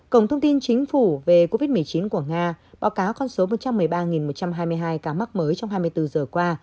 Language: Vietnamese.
cổng thông tin chính phủ về covid một mươi chín của nga báo cáo con số một trăm một mươi ba một trăm hai mươi hai ca mắc mới trong hai mươi bốn giờ qua